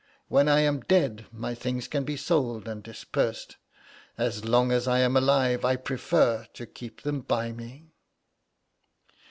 "When I am dead my things can be sold and dispersed. As long as I am alive I prefer to keep them by me."